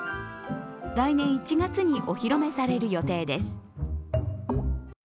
来年１月にお披露目される予定です。